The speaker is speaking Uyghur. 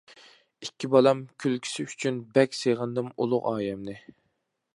ئىككى بالام كۈلكىسى ئۈچۈن، بەك سېغىندىم ئۇلۇغ ئايەمنى.